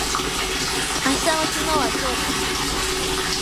明日の昨日は今日です。